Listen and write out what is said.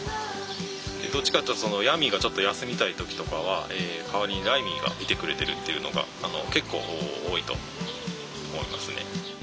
どっちかっていうとヤミーがちょっと休みたい時とかは代わりにライミーが見てくれてるっていうのが結構多いと思いますね。